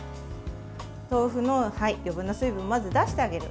豆腐の余分な水分をまず出してあげる。